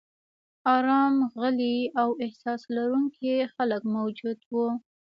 ارام، غلي او احساس لرونکي خلک موجود و.